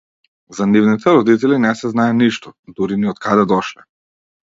За нивните родители не се знае ништо, дури ни од каде дошле.